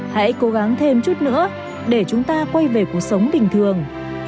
hãy cố gắng thêm chút nữa để chúng ta quay về cuộc sống bình thường